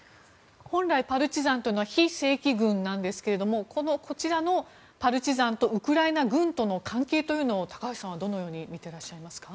本来パルチザンというのは非正規軍なんですがこちらのパルチザンとウクライナ軍との関係というのを高橋さんはどのように見ていらっしゃいますか。